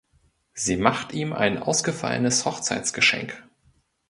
Sie macht ihm ein ausgefallenes Hochzeitsgeschenk.